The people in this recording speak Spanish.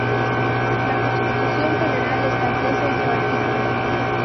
La Constitución Federal establece en su artículo.